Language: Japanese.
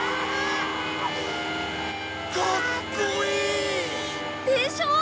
かっこいい！でしょ！